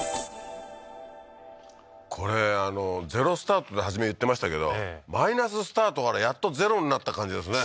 これゼロスタートって初め言ってましたけどマイナススタートからやっとゼロになった感じですね